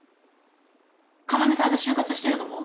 要さんが就活してるのも？